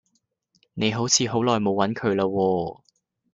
你好似好耐冇揾佢啦喎